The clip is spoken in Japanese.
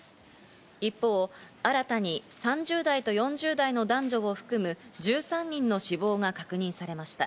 一方、新たに３０代と４０代の男女を含む１３人の死亡が確認されました。